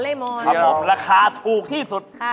ลาคาถูกที่สุด